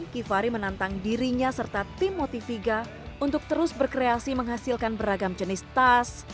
kifari menantang dirinya serta tim motiviga untuk terus berkreasi menghasilkan beragam jenis tas